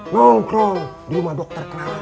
nongkrong di rumah dokter